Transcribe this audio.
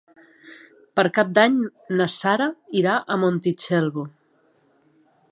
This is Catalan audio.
Per Cap d'Any na Sara irà a Montitxelvo.